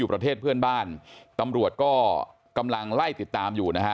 ประเทศเพื่อนบ้านตำรวจก็กำลังไล่ติดตามอยู่นะฮะ